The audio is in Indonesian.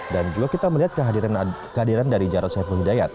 dan juga kita melihat kehadiran dari jarod seyafuddayat